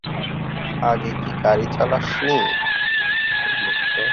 আগে কি গাড়ি চালাসনি?